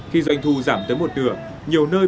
khi doanh thu giảm tới một nửa nhiều nơi